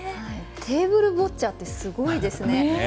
テーブルボッチャってすごいですね。